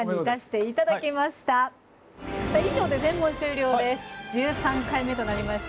以上で全問終了です。